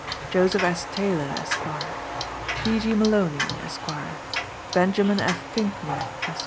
Joseph S. Taylor, Esq. P. G. Moloney, Esq. Benjamin F. Pinckney, Esq.